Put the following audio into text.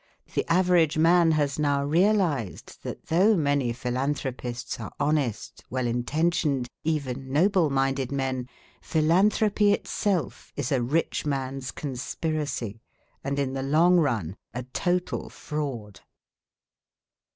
The average man has now realized that though many philanthropists are honest, well intentioned, even noble minded men, philanthropy itself is a rich man's conspiracy and in the long run a total fraud.